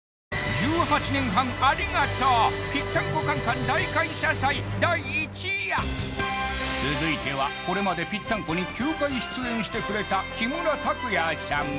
１８年半ありがとう「ぴったんこカン・カン」大感謝祭第一夜続いてはこれまでぴったんこに９回出演してくれた木村拓哉さん